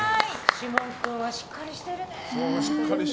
士門君はしっかりしてるね。